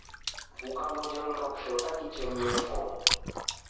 Kwalolia kindo kisha utakireemiefo.